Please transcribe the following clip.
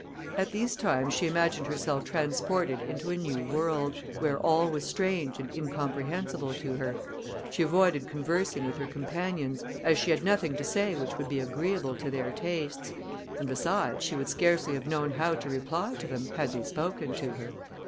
At these times she imagined herself transported into a new world, where all was strange and incomprehensible to her: she avoided conversing with her companions, as she had nothing to say which would be agreeable to their tastes; and, besides, she would scarcely have known how to reply to them, had they spoken to her.